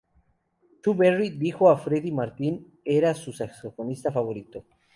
Chu Berry dijo que Freddy Martin era su saxofonista favorito.